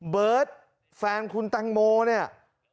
เบิร์ตแฟนคุณแตงโมเนี่ย